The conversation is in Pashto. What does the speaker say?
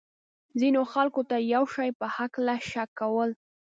ځینو خلکو ته د یو شي په هکله شک کول.